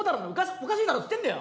おかしいだろって言ってんだよ！